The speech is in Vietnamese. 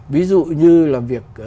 ví dụ như là việc